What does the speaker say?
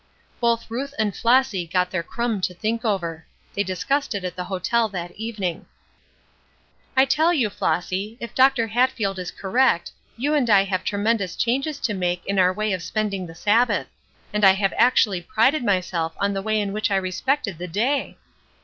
Both Ruth and Flossy got their crumb to think over. They discussed it at the hotel that evening. "I tell you, Flossy, if Dr. Hatfield is correct you and I have tremendous changes to make in our way of spending the Sabbath; and I have actually prided myself on the way in which I respected the day!"